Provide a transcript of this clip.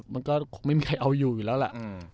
มันก็ไม่มีใครเอาอยู่อยู่แล้วแหละ